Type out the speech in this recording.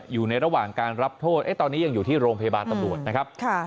อยู่ในระหว่างการรับโทษตอนนี้ยังอยู่ที่โรงพยาบาลตำรวจนะครับ